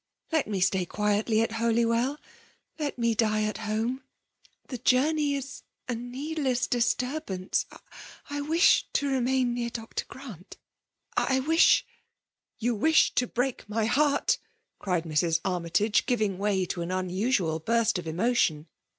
Let me stay quietly at Holy well— let me die at home. The journey is a needless disturbance. I wish to remain near Dr. Grant. I wish " 3 " You wish to break my heart !" cried Mrs. Armytagc, giving way to an unusual burst of emotion.